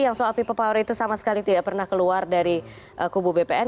yang soal people power itu sama sekali tidak pernah keluar dari kubu bpn